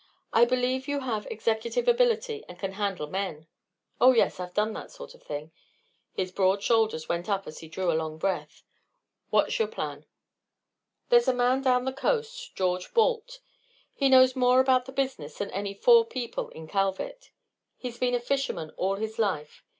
I believe you have executive ability and can handle men." "Oh yes; I've done that sort of thing." His broad shoulders went up as he drew a long breath. "What's your plan?" "There's a man down the coast, George Balt, who knows more about the business than any four people in Kalvik. He's been a fisherman all his life.